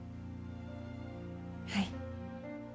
はい。